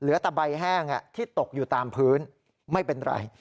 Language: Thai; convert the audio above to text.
ตะใบแห้งที่ตกอยู่ตามพื้นไม่เป็นไร